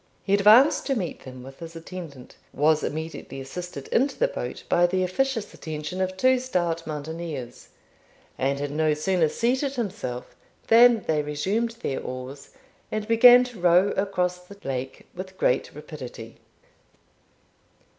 He advanced to meet them with his attendant, was immediately assisted into the boat by the officious attention of two stout mountaineers, and had no sooner seated himself than they resumed their oars, and began to row across the lake with great rapidity.